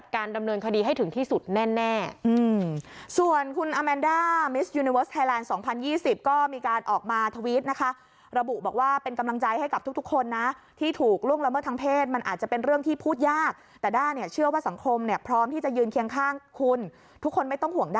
การดำเนินคดีให้ถึงที่สุดแน่ส่วนคุณอาแมนด้ามิสยูนิเวิร์สไทยแลนด์๒๐๒๐ก็มีการออกมาทวิตนะคะระบุบอกว่าเป็นกำลังใจให้กับทุกคนนะที่ถูกล่วงละเมิดทางเพศมันอาจจะเป็นเรื่องที่พูดยากแต่ด้าเนี่ยเชื่อว่าสังคมเนี่ยพร้อมที่จะยืนเคียงข้างคุณทุกคนไม่ต้องห่วงด